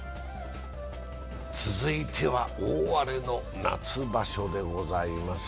続いては大荒れの夏場所でございます。